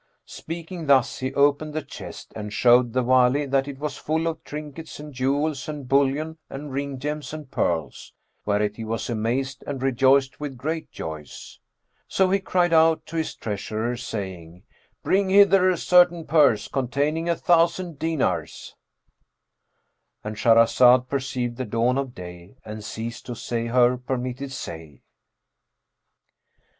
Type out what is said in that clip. Speaking thus he opened the chest and showed the Wali that it was full of trinkets and jewels and bullion and ring gems and pearls, whereat he was amazed and rejoiced with great joy. So he cried out to his treasurer, saying, "Bring hither a certain purse containing a thousand dinars,"—And Shahrazad perceived the dawn of day and ceased to say her permitted say.